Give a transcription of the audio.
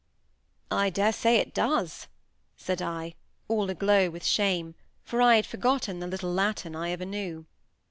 "I dare say it does," said I, all aglow with shame, for I had forgotten the little Latin I ever knew.